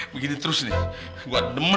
begini terus nih buat demen